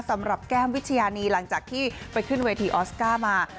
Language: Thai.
สำหรับแก้มวิทยานีหลังจากที่ไปขึ้นเวทีออสก้ามา